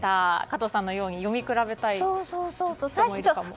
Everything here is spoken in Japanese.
加藤さんのように読み比べたい人もいるかも。